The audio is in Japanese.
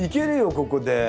ここで。